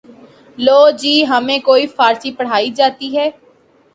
لو جی ہمیں کوئی فارسی پڑھائی جاتی ہے